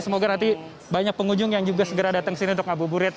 semoga nanti banyak pengunjung yang juga segera datang ke sini untuk ngabuburit